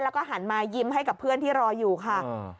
แล้วก็หันมายิ้มให้กับเพื่อนที่รออยู่ค่ะ